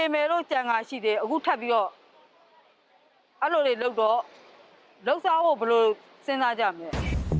นางซูจีได้พอที่ที่ถึงกัน